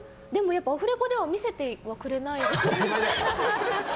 アフレコでは見せてくれないので。